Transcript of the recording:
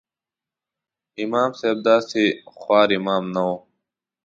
امام صاحب داسې خوار امام نه و.